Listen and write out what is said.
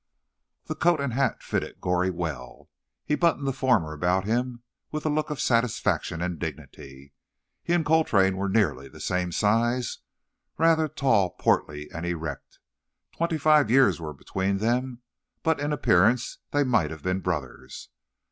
The coat and hat fitted Goree well. He buttoned the former about him with a look of satisfaction and dignity. He and Coltrane were nearly the same size—rather tall, portly, and erect. Twenty five years were between them, but in appearance they might have been brothers.